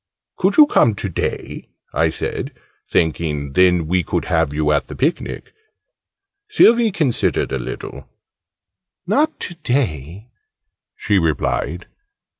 "Could you come to day?" I said, thinking "then we could have you at the picnic!" Sylvie considered a little. "Not to day," she replied.